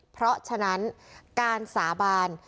เพราะฉะนั้นการสาบาน